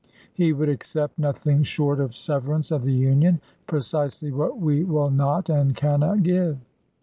He would accept nothing short of severance of the Union — precisely what we will not and cannot give.